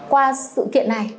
qua sự kiện này